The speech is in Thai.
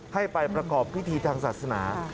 ให้ไปประกอบพิธีทางศาสนา